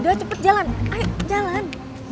udah cepet jalan ayo jalan